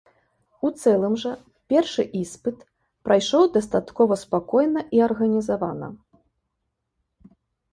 У цэлым жа першы іспыт прайшоў дастаткова спакойна і арганізавана.